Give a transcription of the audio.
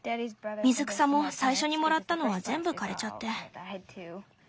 水草も最初にもらったのは全部枯れちゃって。